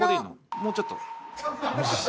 もうちょっと？無視した。